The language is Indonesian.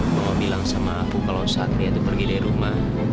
kalau bilang sama aku kalau satria pergi dari rumah